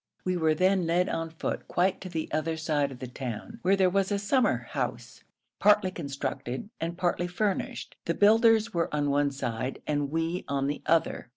We were then led on foot quite to the other side of the town, where there was a 'summer house' partly constructed and partly furnished, the builders were on one side and we on the other.